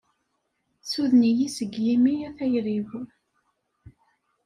Suden-iyi seg yimi a tayri-iw!